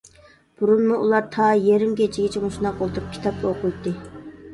بۇرۇنمۇ ئۇلار تا يېرىم كېچىگىچە مۇشۇنداق ئولتۇرۇپ كىتاب ئوقۇيتتى.